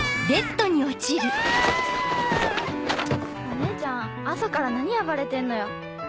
お姉ちゃん朝から何暴れてんのよ。